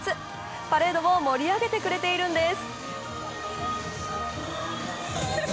パレードを盛り上げてくれているんです。